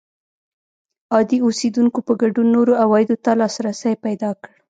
عادي اوسېدونکو په ګډون نورو عوایدو ته لاسرسی پیدا کړ